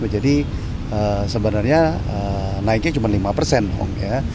jadi sebenarnya naiknya cuma lima persen